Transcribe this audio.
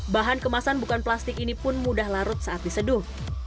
bahan kemasan bukan plastik ini pun mudah larut saat diseduh